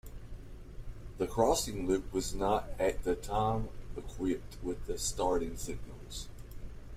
The crossing loop was not at that time equipped with starting signals.